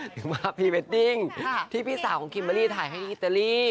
ถึงว่าพรีเวดดิ้งที่พี่สาวของคริมมะรี่ถ่ายให้ในอิตาลี